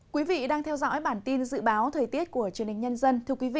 quý vị đang theo dõi bản tin dự báo thời tiết của truyền hình nhân dân